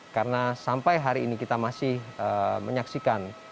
karena sampai hari ini kita masih menyaksikan